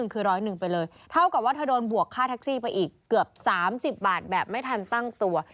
คือร้อยหนึ่งไปเลยเท่ากับว่าเธอโดนบวกค่าแท็กซี่ไปอีกเกือบ๓๐บาทแบบไม่ทันตั้งตัว